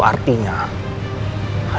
kita pernah kembali ke rumah